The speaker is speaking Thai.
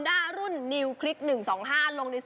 ได้ยัง